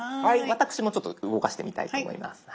私もちょっと動かしてみたいと思います。